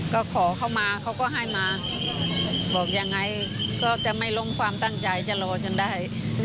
ก็ขอเข้ามาเขาก็ให้มาบอกยังไงก็จะไม่ลงความตั้งใจจะรอจนได้